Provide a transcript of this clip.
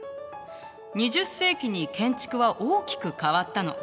２０世紀に建築は大きく変わったの。